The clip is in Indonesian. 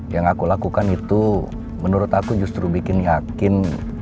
yang aku lakukan itu menurut aku justru bikin yakin